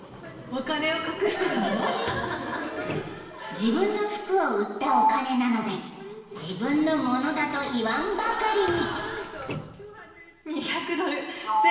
［自分の服を売ったお金なので自分のものだと言わんばかりに］